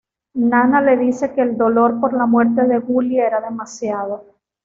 Nana le dice que el dolor por la muerte de Gully era demasiado.